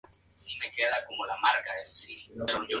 Su cimiento histórico tiene que ser indígena.